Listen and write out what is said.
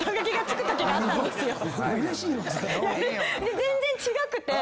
全然違くて。